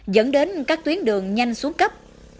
dẫn đến các tuyến đường nhanh xuống cấp